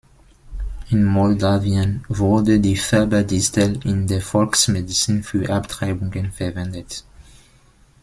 In Moldawien wurde die Färberdistel in der Volksmedizin für Abtreibungen verwendet.